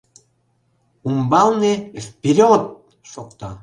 Умбалне «Вперёд!» шокта.